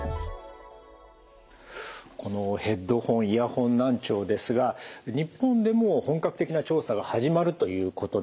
このヘッドホン・イヤホン難聴ですが日本でも本格的な調査が始まるということでした。